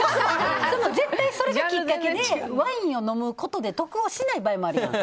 絶対それがきっかけでワインを飲むことで得をしない場合もあるやん。